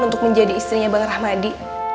untuk menjadi istrinya bang rahmadi